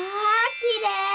きれい。